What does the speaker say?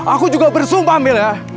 aku juga bersumpah mil ya